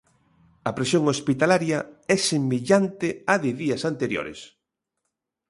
A presión hospitalaria é semellante á de días anteriores.